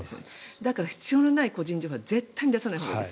だから必要のない個人情報は絶対出さないほうがいいです。